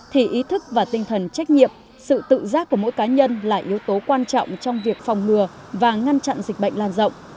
thì ý thức và tinh thần trách nhiệm sự tự giác của mỗi cá nhân là yếu tố quan trọng trong việc phòng ngừa và ngăn chặn dịch bệnh lan rộng